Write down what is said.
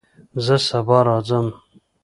زه سبا راځم